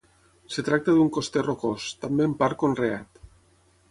Es tracta d'un coster rocós, també en part conreat.